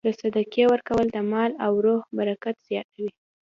د صدقې ورکول د مال او روح برکت زیاتوي.